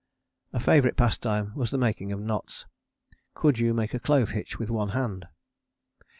A favourite pastime was the making of knots. Could you make a clove hitch with one hand?